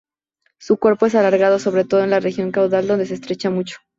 Su cuerpo es alargado sobre todo en la región caudal donde se estrecha mucho.